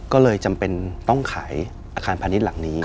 ก็เลยจำเป็นต้องขายอาคารพาณิชย์หลังนี้